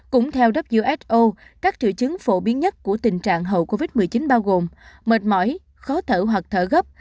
cũng theo who các triệu chứng phổ biến nhất của tình trạng hậu covid một mươi chín bao gồm mệt mỏi khó thở hoặc thở gấp